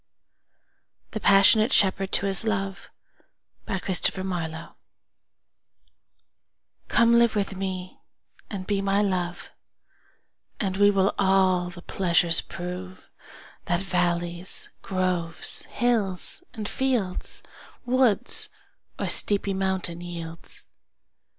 Y Z The Passionate Shepherd to His Love COME live with me and be my love, And we will all the pleasures prove That valleys, groves, hills, and fields, Woods or steepy mountain yields.